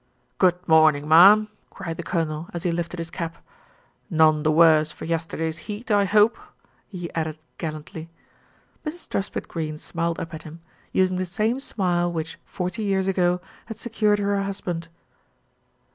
"Good morning, marm," cried the Colonel, as he lifted his cap. "None the worse for yesterday's heat, I hope," he added gallantly. Mrs. Truspitt Greene smiled up at him, using the same smile which, forty years ago, had secured her a husband.